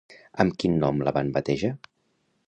Amb quin nom la van batejar?